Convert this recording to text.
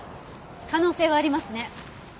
可能性はありますね。